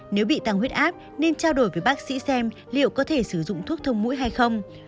nếu bị tăng huyết áp nên trao đổi với bác sĩ xem liệu có thể sử dụng thuốc thông mũi hay không